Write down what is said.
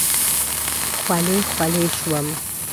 خولې خولې شوم.